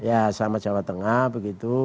ya sama jawa tengah begitu